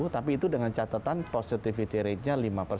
tapi itu dengan catatan positivity ratenya lima persen